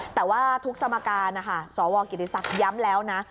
แต่ว่าทุกสมการนะคะสวกิติศักดิ์ย้ำแล้วนะ